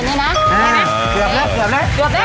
คือทุบละ